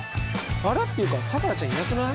っていうかさくらちゃんいなくない？